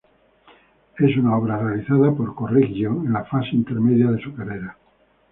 Es una obra realizada por Correggio en la fase intermedia de su carrera.